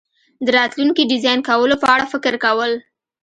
د راتلونکي ډیزاین کولو په اړه فکر کول